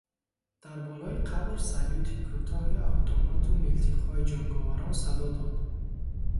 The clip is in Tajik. Дар болои қабр салюти кӯтоҳи автомату милтиқҳои ҷанговарон садо дод.